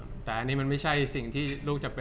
จากความไม่เข้าจันทร์ของผู้ใหญ่ของพ่อกับแม่